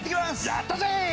やったー！